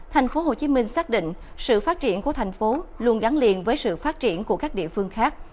thành phố hồ chí minh xác định sự phát triển của thành phố luôn gắn liền với sự phát triển của các địa phương khác